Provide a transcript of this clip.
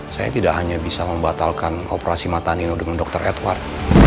saya tidak hanya bisa membatalkan operasi mata nino dengan dr edward